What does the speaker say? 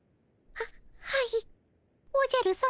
はいおじゃるさま。